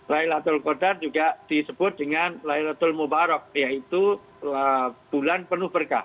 laylatul qadar juga disebut dengan laylatul mubarak yaitu bulan penuh berkah